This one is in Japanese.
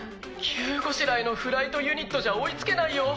急ごしらえのフライトユニットじゃ追いつけないよ。